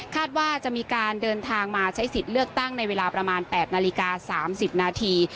ว่าจะมีการเดินทางมาใช้สิทธิ์เลือกตั้งในเวลาประมาณ๘นาฬิกา๓๐นาที